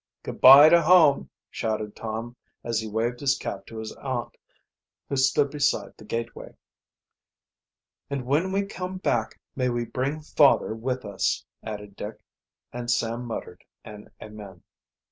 "Good by to home!" shouted Tom, as he waved his cap to his aunt, who stood beside the gateway. "And when we come back may we bring father with us," added Dick, and Sam muttered an amen.